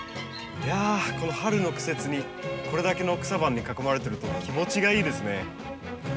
いやこの春の季節にこれだけの草花に囲まれてると気持ちがいいですね。